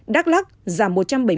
đắk lắc giảm một trăm bảy mươi bốn